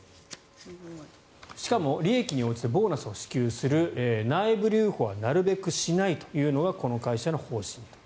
しかも利益に応じてボーナスを支給する内部留保はなるべくしないというのがこの会社の方針と。